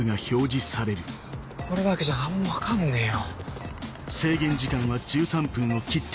これだけじゃ何も分かんねえよ。